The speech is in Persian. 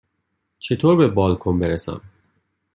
چطور به بالکن برسم؟